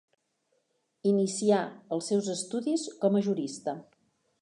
Inicià els seus estudis com a jurista.